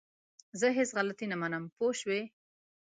زه هيڅ غلطي نه منم! پوه شوئ!